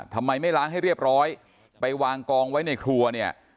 ทำไมไม่ล้างให้เรียบร้อยไปวางกองไว้ในครัวเนี่ย